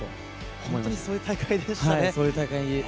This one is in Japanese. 本当にそういう大会でしたね。